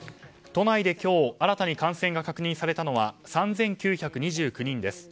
都内で今日、新たに感染が確認されたのは３９２９人です。